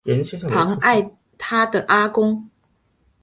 宠爱她的阿公